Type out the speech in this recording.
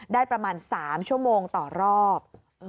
ได้ประมาณ๓ชั่วโมงต่อรอบ